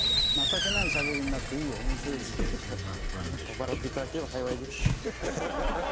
笑っていただければ幸いです。